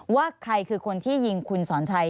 ว่าใครคือคนที่ยิงคุณสอนชัย